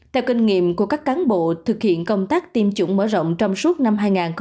theo kinh nghiệm của các cán bộ thực hiện công tác tiêm chủng mở rộng trong suốt năm hai nghìn hai mươi